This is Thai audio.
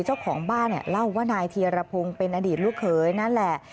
เจ้าของบ้านเล่าว่านายเทียระพงเป็นอดีตลูกเคยนั่นแหละ